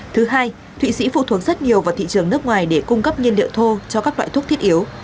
thứ hai thụy sĩ phụ thuộc rất nhiều vào thị trường nước ngoài để cung cấp nhiên liệu thô cho các loại thuốc thiết yếu